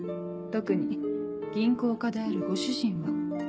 特に銀行家であるご主人は。